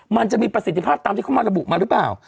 มันจะมีประสิทธิภาพตามที่เขามาระบุมาหรือเปล่า